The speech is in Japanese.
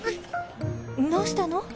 どうしたの？